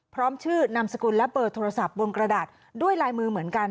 พร้อมชื่อนามสกุลและเบอร์โทรศัพท์บนกระดาษด้วยลายมือเหมือนกัน